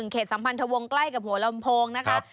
เขตสัมพันธ์ทะวงใกล้กับหัวลำโพงนะครับ